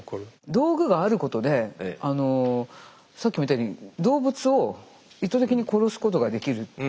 道具があることであのさっきも言ったように動物を意図的に殺すことができるっていう。